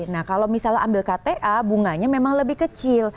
nah kalau misalnya ambil kta bunganya memang lebih kecil